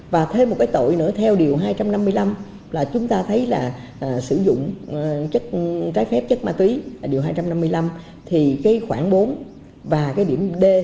và thêm một cái tội nữa theo điều hai trăm năm mươi năm là chúng ta thấy là sử dụng chất trái phép chất ma túy điều hai trăm năm mươi năm thì cái khoảng bốn và cái điểm d